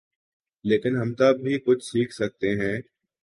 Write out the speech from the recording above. لیکن ہم تب ہی کچھ سیکھ سکتے ہیں۔